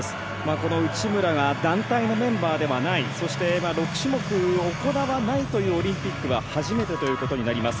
この内村が団体のメンバーではないそして、６種目行わないというオリンピックは初めてということになります。